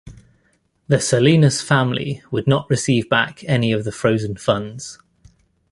The Salinas family would not receive back any of the frozen funds.